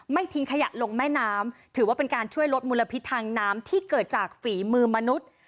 ทิ้งขยะลงแม่น้ำถือว่าเป็นการช่วยลดมลพิษทางน้ำที่เกิดจากฝีมือมนุษย์